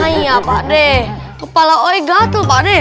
ayo pak de kepala oe gatel pak de